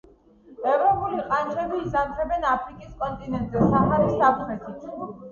ევროპული ყანჩები იზამთრებენ აფრიკის კონტინენტზე, საჰარის სამხრეთით.